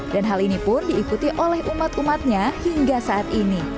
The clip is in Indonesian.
dan hal ini pun diikuti oleh umat umatnya hingga saat ini